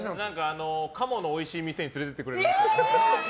カモのおいしい店に連れてってくれます。